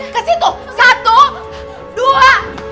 kesitu satu dua